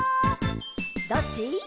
「どっち？」